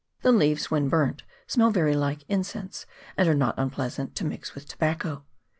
The leaves, when burnt, smell very like incense, and are not unpleasant to mix with tobacco.